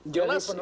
dari penurunan itu